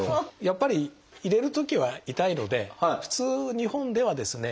やっぱり入れるときは痛いので普通日本ではですね